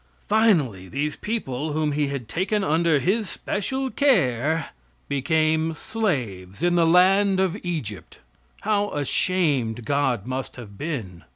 Finally, these people whom He had taken under His special care became slaves in the land of Egypt. How ashamed God must have been!